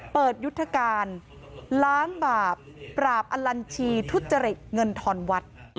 ยุทธการล้างบาปปราบอลชีทุจริตเงินทอนวัด